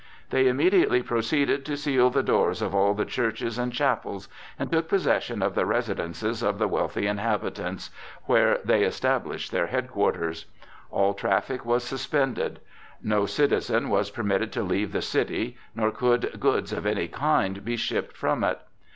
They immediately proceeded to seal the doors of all the churches and chapels, and took possession of the residences of the wealthy inhabitants, where they established their headquarters. All traffic was suspended. No citizen was permitted to leave the city, nor could goods of any kind be shipped from it.